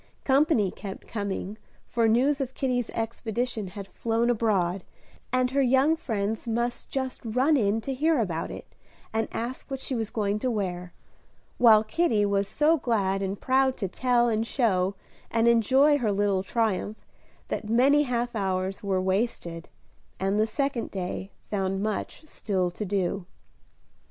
Company kept coming, for news of Kitty's expedition had flown abroad, and her young friends must just run in to hear about it, and ask what she was going to wear; while Kitty was so glad and proud to tell, and show, and enjoy her little triumph that many half hours were wasted, and the second day found much still to do.